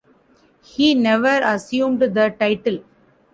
He never assumed the title.